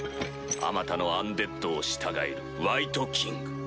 あまたのアンデッドを従えるワイトキング。